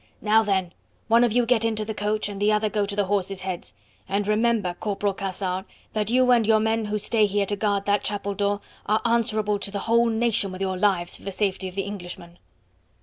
"Now then, one of you get into the coach, and the other go to the horses' heads; and remember, Corporal Cassard, that you and your men who stay here to guard that chapel door are answerable to the whole nation with your lives for the safety of the Englishman."